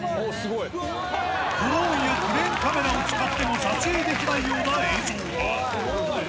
クレーンでドローンカメラを使って撮影できないような映像に。